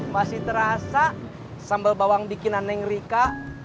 masih terasa sambal bawang dikina neng rika